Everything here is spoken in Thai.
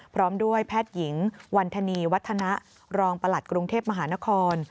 พร้อมด้วยแพทย์หญิงวันธนีวัฒนะรองประหลัดกรุงเทพมหานคร